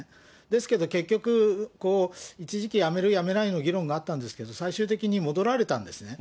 ですけど結局、一時期、やめるやめないの議論があったんですけど、最終的に戻られたんですね。